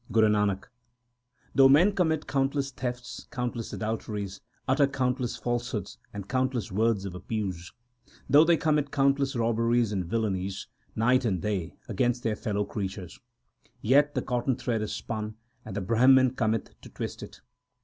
Guru Nanak Though men commit countless thefts, countless adulteries, utter countless falsehoods and countless words of abuse ; Though they commit countless robberies and villanies night and day against their fellow creatures ; Yet the cotton thread is spun, and the Brahman cometh to twist it.